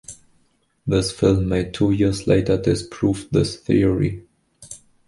This film made two years later disproved this theory.